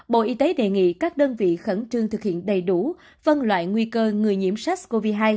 bộ y tế đề nghị các đơn vị khẩn trương thực hiện đầy đủ phân loại nguy cơ người nhiễm sars cov hai